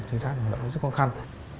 chính xác là rất khó khăn